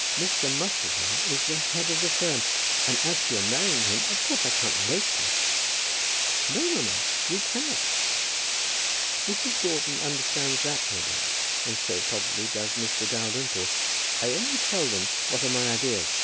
Mr. Musselboro is the head of the firm. And as to your marrying him, of course, I can't make you." "No, mamma; you cannot." "Mrs. Broughton understands that, no doubt; and so, probably, does Mr. Dalrymple. I only tell them what are my ideas.